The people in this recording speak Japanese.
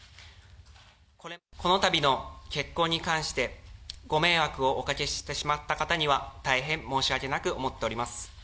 このたびの結婚に関して、ご迷惑をおかけしてしまった方には大変申し訳なく思っております。